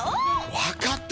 わかった！